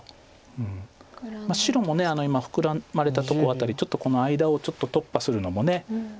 白も今フクラまれたところ辺りちょっとこの間を突破するのも。